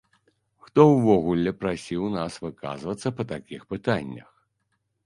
Хто ўвогуле прасіў нас выказвацца па такіх пытаннях?